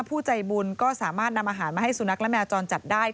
ผู้ใจบุญก็สามารถนำอาหารมาให้สุนัขและแมวจรจัดได้